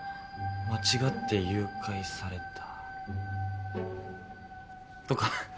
間違って誘拐されたとか？